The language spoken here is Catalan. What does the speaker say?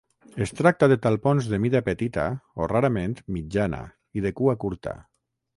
Es tracta de talpons de mida petita o, rarament, mitjana i de cua curta.